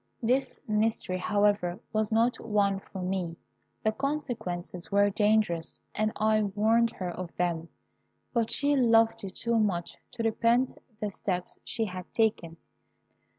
This mystery, however, was not one for me. The consequences were dangerous, and I warned her of them; but she loved you too much to repent the step she had taken.